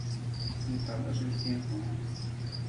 "Nieprawda że jest piękną?"